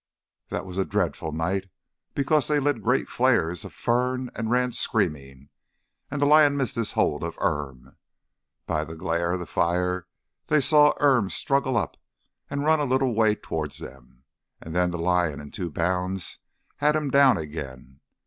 That was a dreadful night, because they lit great flares of fern and ran screaming, and the lion missed his hold of Irm. By the glare of the fire they saw Irm struggle up, and run a little way towards them, and then the lion in two bounds had him down again.